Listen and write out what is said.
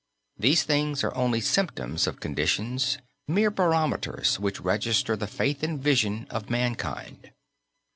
These things are only symptoms of conditions, mere barometers which register the faith and vision of mankind.